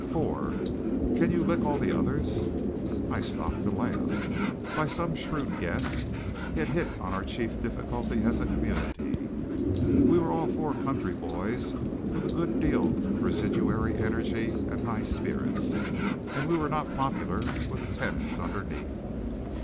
"Four." "Can you lick all the others?" I stopped to laugh. By some shrewd guess he had hit on our chief difficulty as a community. We were all four country boys with a good deal of residuary energy and high spirits; and we were not popular with the tenants underneath.